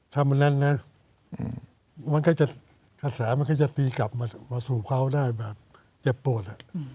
อันนั้นนะมันก็จะกระแสมันก็จะตีกลับมาสู่เขาได้แบบเจ็บปวด